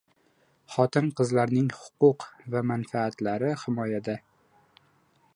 Xotin-qizlarning huquq va manfaatlari himoyada